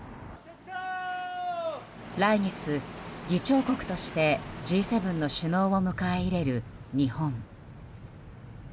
来月、議長国としてＧ７の首脳を迎え入れる日本。